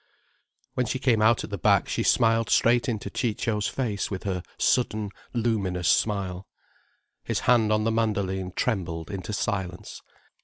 When she came out at the back she smiled straight into Ciccio's face, with her sudden, luminous smile. His hand on the mandoline trembled into silence.